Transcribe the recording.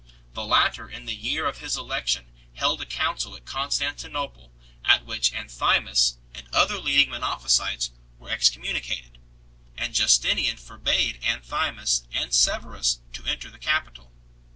The latter in the year of his elec tion held a council at Constantinople 4 at which Anthimus and other leading Monophysites were excommunicated; and Justinian forbade Anthimus and Severus to enter the capital.